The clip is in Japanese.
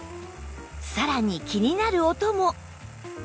さらに気になる音も